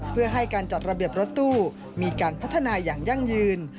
เพื่อให้การจัดระเบียบรถตู้มีการพัฒนาอย่างยั่งยืน